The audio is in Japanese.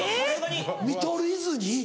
見取り図に？